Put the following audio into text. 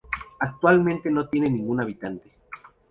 Actualmente no tiene ningún habitante.